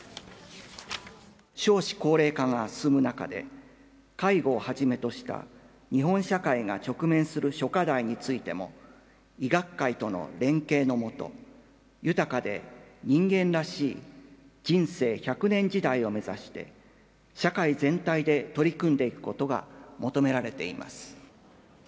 少子高齢化が進む中で、介護をはじめとした日本社会が直面する諸課題についても、医学会との連携の下、豊かで人間らしい人生１００年時代を目指して社会全体で取り組んでいくことが求められています。